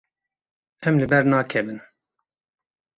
Em li ber nakevin.